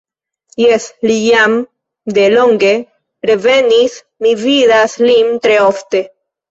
Jes, li jam de longe revenis; mi vidas lin tre ofte.